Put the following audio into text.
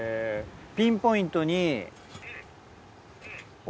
ピンポイントに。